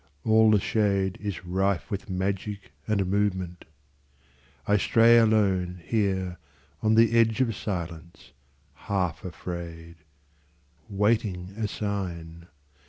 All the shadeIs rife with magic and movement. I stray aloneHere on the edge of silence, half afraid, Waiting a sign.